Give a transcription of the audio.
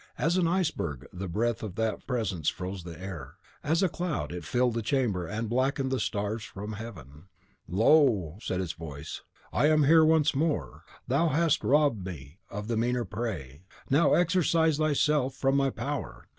As an iceberg, the breath of that presence froze the air; as a cloud, it filled the chamber and blackened the stars from heaven. "Lo!" said its voice, "I am here once more. Thou hast robbed me of a meaner prey. Now exorcise THYSELF from my power!